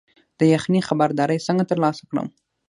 د یخنۍ خبرداری څنګه ترلاسه کړم؟